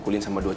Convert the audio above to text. udah gak papa